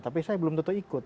tapi saya belum tentu ikut